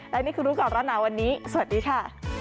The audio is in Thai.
และนี่คือรู้ก่อนร้อนหนาวันนี้สวัสดีค่ะ